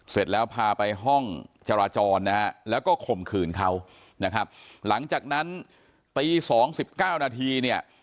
เสร็จแล้วพาไปห้องจราจรแล้วก็ข่มขืนเขาหลังจากนั้นตี๒๑๙นาที